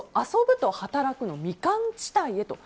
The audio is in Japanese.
遊ぶと働くの未完地帯へ。